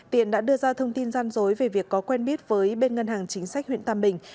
tiện đã đưa ra thông tin gian dối về việc có quen biết với bên ngân hàng chính sách huyện tam bình